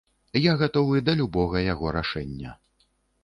Я гатовы да любога яго рашэння.